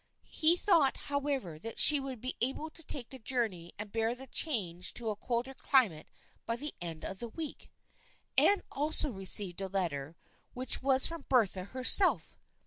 He thought however that she would be able to take the journey and bear the change to a colder cli mate by the end of the week. Anne also received a letter, which was from Bertha herself.